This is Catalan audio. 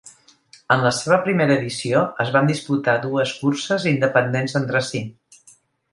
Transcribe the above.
En la seva primera edició es van disputar dues curses independents entre si.